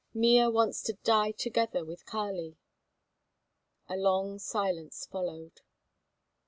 "Mea wants to die together with Kali." A long silence followed.